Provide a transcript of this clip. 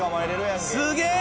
すげえ！